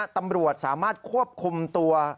ตำรวจสามารถควบคุมตัว